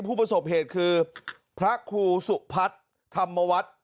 ผู้ประสบเหตุคือพระครูสุพัฒน์ธรรมวัฒน์